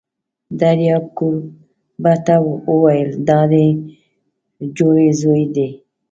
دریاب کوربه ته وویل: دا دې جوړې زوی دی!